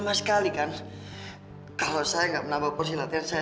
bukannya kayak gitu ken cuma kita ya